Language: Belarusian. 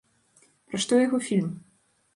Пра што яго фільм?